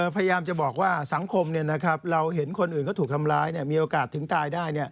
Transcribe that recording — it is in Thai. พยายามจะบอกว่าสังคมเราเห็นคนอื่นเขาถูกทำร้ายมีโอกาสถึงตายได้